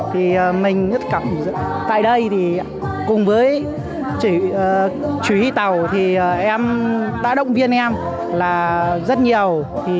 thì mình rất cảm giác tại đây thì cùng với chủ yếu tàu thì em đã động viên em là rất nhiều